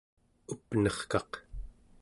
up'nerkaq